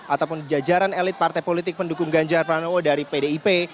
ataupun jajaran elit partai politik pendukung ganjar pranowo dari pdip